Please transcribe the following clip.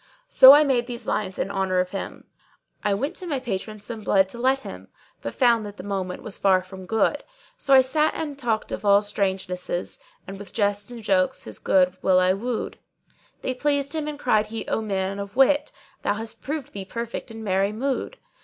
So I made these lines in honour of him:— I went to my patron some blood to let him, * But found that the moment was far from good: So I sat and I talked of all strangenesses, * And with jests and jokes his good will I wooed: They pleased him and cried he, 'O man of wit, * Thou hast proved thee perfect in merry mood!'